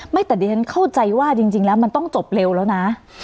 แต่ดิฉันเข้าใจว่าจริงแล้วมันต้องจบเร็วแล้วนะ